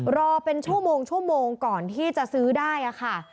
รอเป็นชั่วโมงชั่วโมงก่อนที่จะซื้อได้ค่ะ